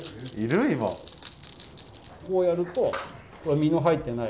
こうやると身の入ってない。